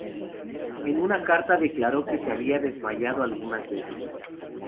En una carta, declaró que se había desmayado algunas veces.